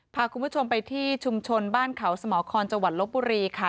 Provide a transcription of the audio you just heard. พาคุณผู้ชมไปที่ชุมชนบ้านเขาสมครจังหวัดลบบุรีค่ะ